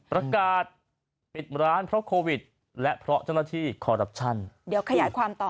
ประกาศปิดร้านเพราะโควิดและเพราะเจ้าหน้าที่ดีแล้วขยายความต่อ